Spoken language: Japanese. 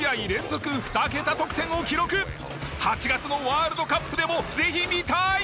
８月のワールドカップでもぜひ見たい！